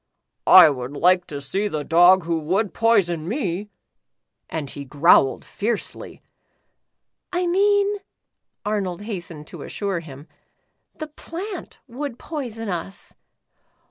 " I would like to see the dog who would poi son me," and he growled fiercely. "I mean," Arnold hastened to assure him, "the plant would poison us.